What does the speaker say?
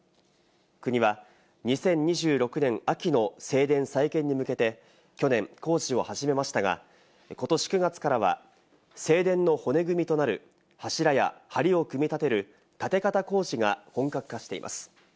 国は２０２６年秋の正殿再建に向けて去年、工事を始めましたが、ことし９月からは正殿の骨組みとなる柱や梁を組み立てる建方工事が本格化しています。